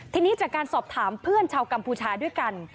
ทีนี้จากการสอบถามเพื่อนชาวกัมพูชาด้วยกัน